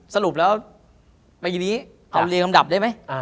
สรุปแล้วไปอย่างนี้เอาเลขลำดับได้ไหม